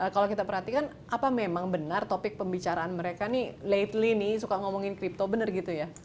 kalau kita perhatikan apa memang benar topik pembicaraan mereka nih lately nih suka ngomongin crypto benar gitu ya